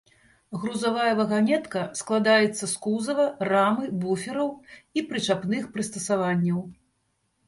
Грузавая ваганетка складаецца з кузава, рамы, буфераў і прычапных прыстасаванняў.